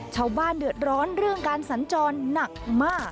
ชาวบ้านเดือดร้อนเรื่องการสัญจรหนักมาก